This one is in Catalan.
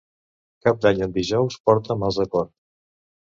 Cap d'Any en dijous porta mals de cor.